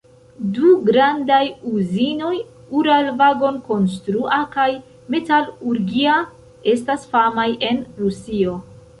Du grandaj uzinoj—Uralvagonkonstrua kaj Metalurgia estas famaj en Rusio.